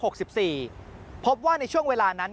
กลับวันนั้นไม่เอาหน่อย